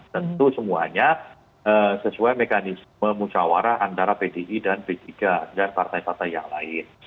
tentu semuanya sesuai mekanisme musyawarah antara pdi dan p tiga dan partai partai yang lain